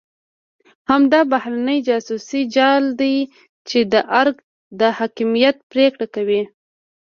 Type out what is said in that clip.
همدا بهرنی جاسوسي جال دی چې د ارګ د حاکمیت پرېکړه کوي.